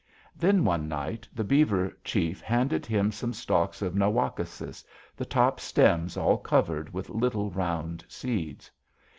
"Then, one night, the beaver chief handed him some stalks of na wak´ o sis, the top stems all covered with little round seeds.